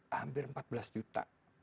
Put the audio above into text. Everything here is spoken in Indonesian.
hampir empat belas juta